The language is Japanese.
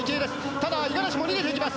ただ、五十嵐も逃げています。